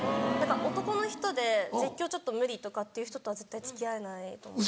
男の人で絶叫ちょっと無理とかっていう人とは絶対付き合えないと思います。